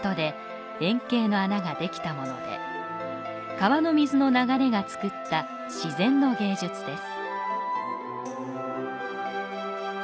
川の水の流れがつくった自然の芸術です。